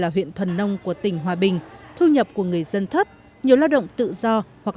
huyện thuần nông của tỉnh hòa bình thu nhập của người dân thấp nhiều lao động tự do hoặc